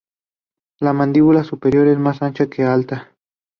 La mandíbula superior es más ancha que alta.